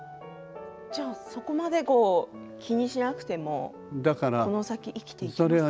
じゃあそこまで気にしなくてもこの先、生きていけますか？